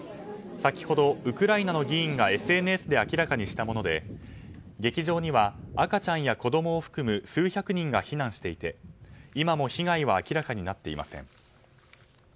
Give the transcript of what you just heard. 先ほどウクライナの議員がＳＮＳで明らかにしたもので劇場には赤ちゃんや子供を含む数百人が避難していて今も被害は明らかになっていません。